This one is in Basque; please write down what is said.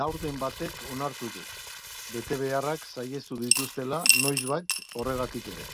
Laurden batek onartu du, betebeharrak saihestu dituztela noizbait horregatik ere.